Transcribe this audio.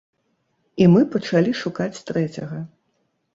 І мы пачалі шукаць трэцяга.